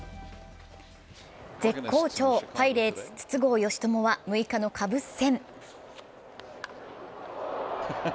絶好調、パイレーツ・筒香嘉智は６日のカブス戦。